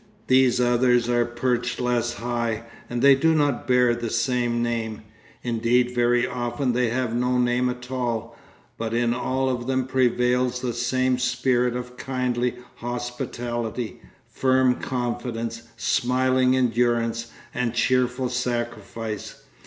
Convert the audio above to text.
These others are perched less high, and they do not bear the same name; indeed very often they have no name at all; but in all of them prevails the same spirit of kindly hospitality, firm confidence, smiling endurance and cheerful sacrifice.